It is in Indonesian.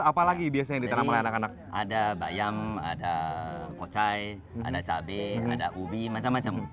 apalagi biasanya yang ditanam oleh anak anak ada bayam ada kocai ada cabai ada ubi macam macam